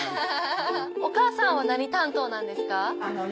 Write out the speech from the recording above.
お母さんは何担当なんですか？